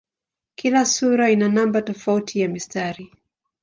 Kila sura ina namba tofauti ya mistari.